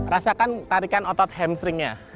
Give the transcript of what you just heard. rasakan tarikan otot hamstringnya